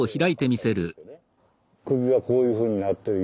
首はこういうふうになってるよ。